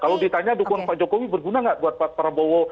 kalau ditanya dukungan pak jokowi berguna nggak buat pak prabowo